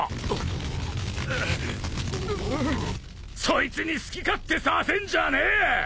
そいつに好き勝手させんじゃねえ！